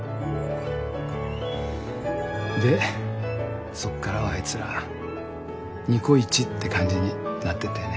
でそっからはあいつらニコイチって感じになってったよね。